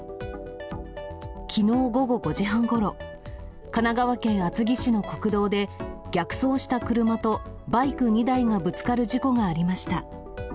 きのう午後５時半ごろ、神奈川県厚木市の国道で、逆走した車とバイク２台がぶつかる事故がありました。